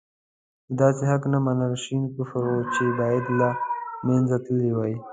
د داسې حق نه منل شين کفر وو چې باید له منځه تللی وای.